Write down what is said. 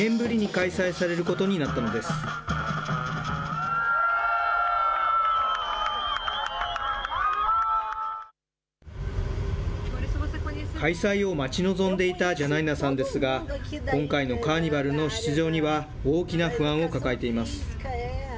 開催を待ち望んでいたジャナイナさんですが、今回のカーニバルの出場には、大きな不安を抱えています。